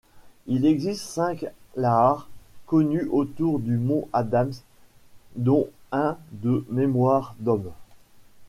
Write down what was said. Il existe cinq lahars connus autour du mont Adams, dont un de mémoire d'homme.